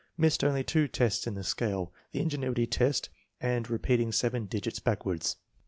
Missed only two tests in the scale, the ingenuity test and re peating seven digits backwards.